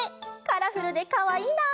カラフルでかわいいな！